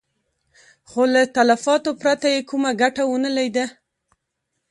خو له تلفاتو پرته يې کومه ګټه ونه ليده.